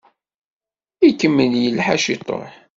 Ikemmel yelḥa ciṭuḥ.